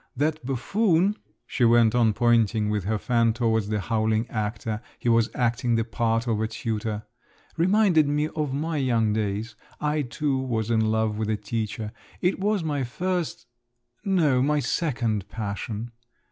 That buffoon," she went on, pointing with her fan towards the howling actor (he was acting the part of a tutor), "reminded me of my young days; I, too, was in love with a teacher. It was my first … no, my second passion.